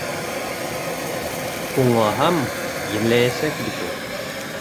Һуңлаһам, енләйәсәк бит ул!